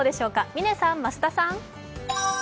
嶺さん、増田さん。